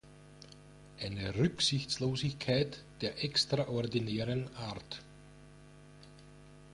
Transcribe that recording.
Eine Rücksichtslosigkeit der extraordinären Art.